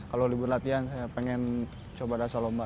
kalau libur latihan saya pengen coba dasar lomba